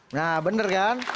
nah bener kan